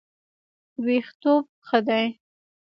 ویښتوب ښه دی.